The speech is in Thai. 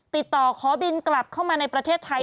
ติดต่อขอบินกลับเข้ามาในประเทศไทย